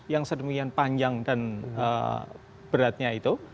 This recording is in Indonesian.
yang sedemikian panjang dan beratnya itu